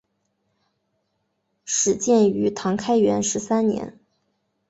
始建于唐开元十三年。